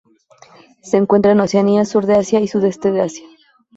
Se encuentra en Oceanía, sur de Asia y sudeste de Asia.